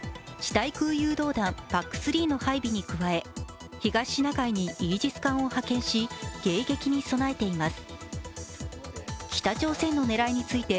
対空誘導弾、ＰＡＣ３の配備に加え、東シナ海にイージス艦を派遣し、迎撃に備えています。